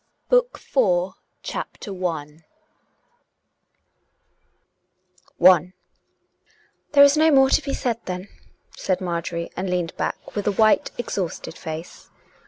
... PART IV CHAPTER I " There is no more to be said^ then/' said Marjorie, and leaned back, with a white, exhausted face.